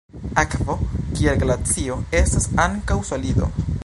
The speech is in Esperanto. Akvo, kiel glacio, estas ankaŭ solido.